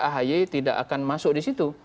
ahy tidak akan masuk di situ